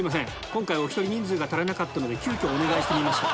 今回お１人人数が足らなかったので急きょお願いしてみました。